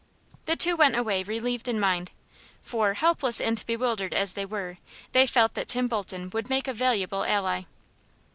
The two went away relieved in mind, for, helpless and bewildered as they were, they felt that Tim Bolton would make a valuable ally.